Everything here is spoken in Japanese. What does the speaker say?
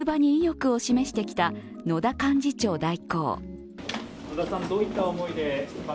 一方、出馬に意欲を示してきた野田幹事長代行。